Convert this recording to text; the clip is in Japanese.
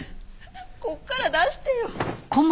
ここから出してよ。